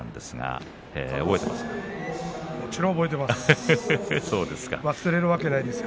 もちろん覚えています。